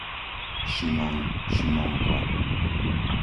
Šimon, Šimonko